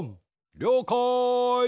りょうかい！